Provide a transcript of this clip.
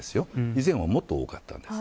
以前はもっと多かったんです。